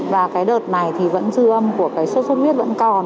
và đợt này dư âm của sốt huyết vẫn còn